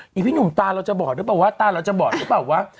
นี่พี่หนุ่มตาเราจะบอกหรือเปล่าว่าตาเราจะบอกหรือเปล่าว่า